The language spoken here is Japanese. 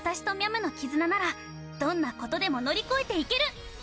とみゃむの絆ならどんなことでも乗り越えていける！